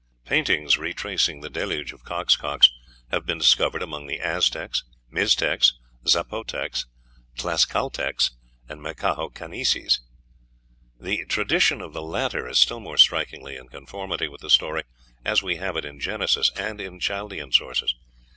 Paintings retracing the deluge of Coxcox have been discovered among the Aztecs, Miztecs, Zapotecs, Tlascaltecs, and Mechoacaneses. The tradition of the latter is still more strikingly in conformity with the story as we have it in Genesis, and in Chaldean sources.